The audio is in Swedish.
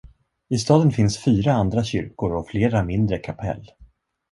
I staden finns fyra andra kyrkor och flera mindre kapell.